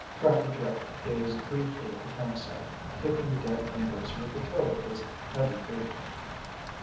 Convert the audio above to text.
Trapper Joe gazed briefly at the camp site, kicking the dead embers with the toe of his heavy boot.